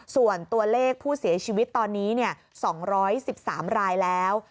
ส่วนตัวเลขผู้เสียชีวิตตอนนี้๒๑๓รายแล้ว